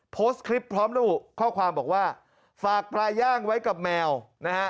โพสต์คลิปพร้อมระบุข้อความบอกว่าฝากปลาย่างไว้กับแมวนะฮะ